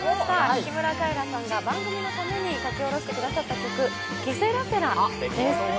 木村カエラさんが番組のために書き下ろしてくださった曲、「ケセラセラ」です。